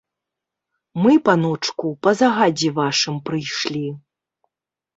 Мы, паночку, па загадзе вашым прыйшлі.